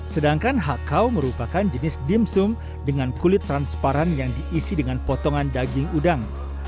sedangkan hakau merupakan jenis dimsum dengan kulit transparan yang diisi dengan potongan daging udang